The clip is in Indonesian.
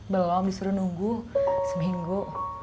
belom disuruh nunggu seminggu